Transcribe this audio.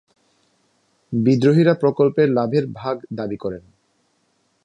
বিদ্রোহীরা প্রকল্পের লাভের ভাগ দাবি করেন।